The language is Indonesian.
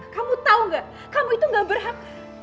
kamu tau gak kamu itu gak berhak